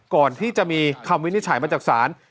ก่อนที่จะมีคำวินิจฉัยมาจากศาล